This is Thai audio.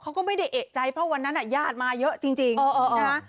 เขาก็ไม่ได้เอกใจเพราะวันนั้นญาติมาเยอะจริงนะคะ